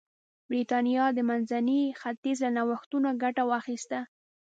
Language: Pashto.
برېټانیا د منځني ختیځ له نوښتونو ګټه واخیسته.